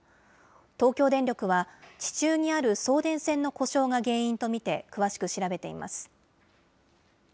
東京電力は、地中にある送電線の故障が原因と見て詳しく調べています。